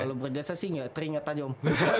kalau berjasa sih nggak teringat aja om